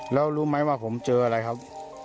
แล้วรู้ไหมว่าผมเจออะไรครับ